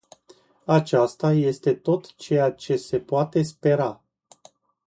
Aceasta este tot ceea ce se poate spera.